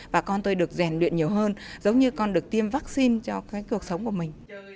và con tôi được rèn luyện nhiều hơn giống như con được tiêm vaccine cho cái cuộc sống của mình